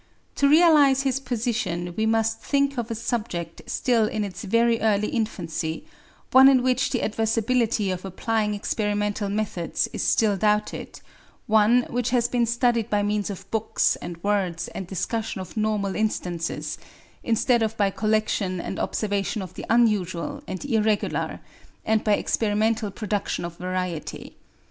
To realise his position we must think of a subject still in its very early infancy, one in which the advisability of applying experimental methods is still doubted; one which has been studied by means of books and words and discussion of normal instances, instead of by collection and observation of the unusual and irregular, and by experimental production of variety.